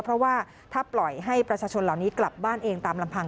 เพราะว่าถ้าปล่อยให้ประชาชนเหล่านี้กลับบ้านเองตามลำพัง